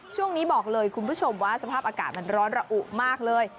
ช่วงนี้บอกเลยคุณผู้ชมว่าสภาพอากาศมันร้อนระอุมากเลย